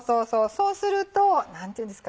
そうすると何ていうんですか。